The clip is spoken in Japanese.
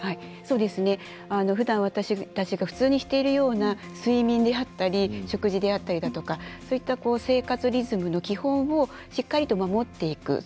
ふだん私たちが普通にしているような睡眠であったり食事であったりだとかそういった生活リズムの基本をしっかりと守っていく。